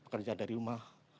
kerja dari rumah